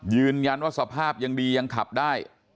ยืนยันว่าสภาพยังดียังขับได้